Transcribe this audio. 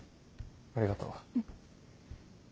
ありがとう。